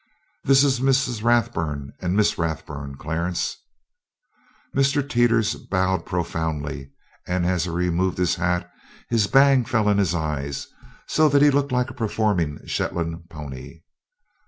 "This is Mrs. Rathburn and Miss Rathburn, Clarence " Mr. Teeters bowed profoundly, and as he removed his hat his bang fell in his eyes, so that he looked like a performing Shetland pony.